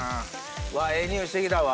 うわええ匂いしてきたわ。